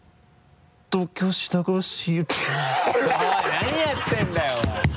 何やってんだよお前。